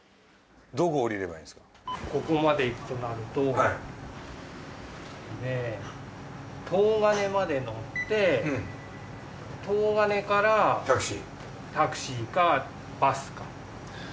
ここまで行くとなると東金まで乗って東金からタクシーかバスかですかね。